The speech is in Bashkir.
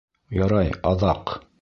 Ярай, аҙаҡ!